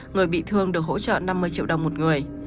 người bị thương được hỗ trợ năm mươi triệu đồng một người